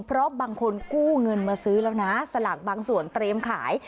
เพราะบางคนกู้เงินมาซื้อแล้วนะสลากบางส่วนเตรียมขาย